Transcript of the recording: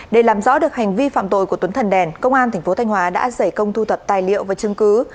để làm rõ được hành vi phạm tội của tuấn thần đèn công an tp thanh hóa đã giải công thu thập tài liệu và chứng cứ